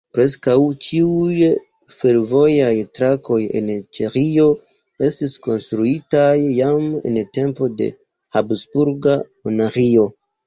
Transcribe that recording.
Preskaŭ ĉiuj fervojaj trakoj en Ĉeĥio estis konstruitaj jam en tempo de Habsburga monarĥio.